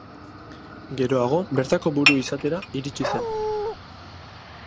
Geroago bertako buru izatera iritsi zen.